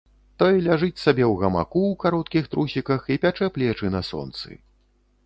Той ляжыць сабе ў гамаку ў кароткіх трусіках і пячэ плечы на сонцы.